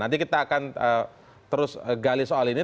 nanti kita akan terus gali soal ini